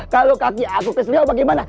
kalau kaki aku keseliau bagaimana